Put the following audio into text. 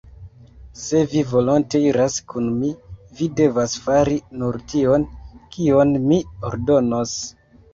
Se vi volonte iras kun mi, vi devas fari nur tion, kion mi ordonos.